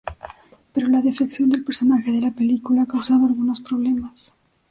Pero la defección del personaje de la película ha causado algunos problemas.